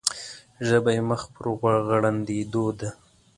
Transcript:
ژبه یې مخ پر غړندېدو ده.